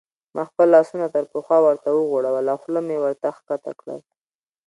ما خپل لاسونه تر پخوا ورته وغوړول او خوله مې ورته کښته کړل.